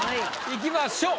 いきましょう。